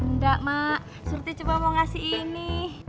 ndak mak surti coba mau kasih ini